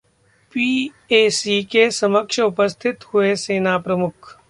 PAC के समक्ष उपस्थित हुए सेना प्रमुख